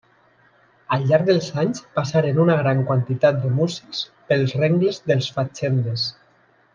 Al llarg dels anys passaren una gran quantitat de músics pels rengles dels Fatxendes.